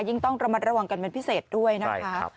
ต้องระมัดระวังกันเป็นพิเศษด้วยนะคะ